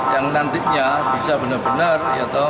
yang nantinya bisa benar benar